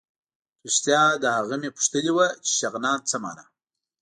رښتیا له هغه مې پوښتلي وو چې شغنان څه مانا.